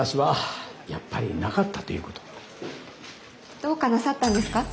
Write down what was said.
どうかなさったんですか？